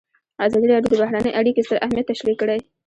ازادي راډیو د بهرنۍ اړیکې ستر اهميت تشریح کړی.